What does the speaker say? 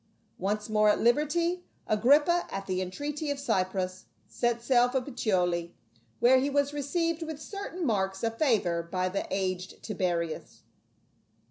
Once more at liberty, Agrippa, at the entreaty of Cypros, set sail for Puteoli, where he was received with certain marks of favor by the aged Tiberius.